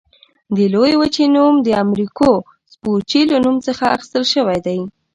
دې لویې وچې نوم د امریکو سپوچي له نوم څخه اخیستل شوی.